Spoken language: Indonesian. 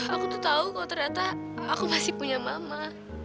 aku tuh tahu kok ternyata aku masih punya mama